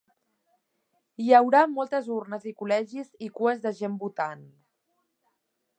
Hi haurà moltes urnes i col·legis i cues de gent votant.